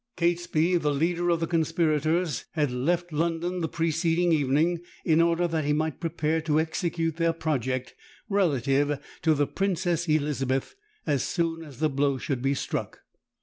Catesby, the leader of the conspirators, had left London the preceding evening, in order that he might be prepared to execute their project relative to the Princess Elizabeth as soon as the blow should be struck.